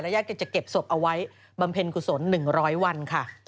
ญาติก็จะเก็บศพเอาไว้บำเพ็ญกุศล๑๐๐วันค่ะ